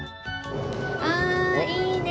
あっいいね！